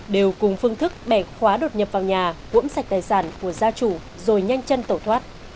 đều cùng phương thức bẻ khóa đột nhập vào nhà cuỗng sạch tài sản của gia trụ rồi nhanh chân tổ thoát